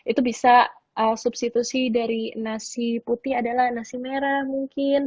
itu bisa substitusi dari nasi putih adalah nasi merah mungkin